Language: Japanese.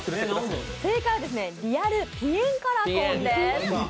正解はリアルぴえんカラコンです。